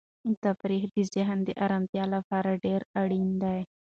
تفریح د ذهن د ارامتیا لپاره ډېره اړینه ده.